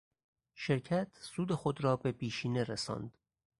شرکت سود خود را به بیشینه رساند.